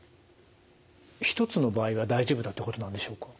１つの場合は大丈夫だってことなんでしょうか？